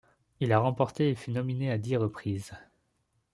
Il a remporté et fut nominé à dix reprises.